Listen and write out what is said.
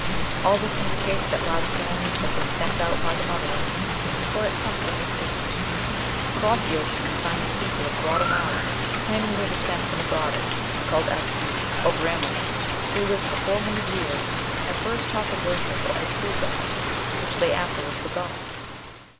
All this indicates that large colonies had been sent out by the mother land before it sunk in the sea. Across the ocean we find the people of Guatemala claiming their descent from a goddess called At tit, or grandmother, who lived for four hundred years, and first taught the worship of the true God, which they afterward forgot.